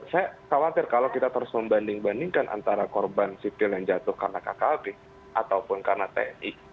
saya khawatir kalau kita terus membanding bandingkan antara korban sipil yang jatuh karena kkp ataupun karena tni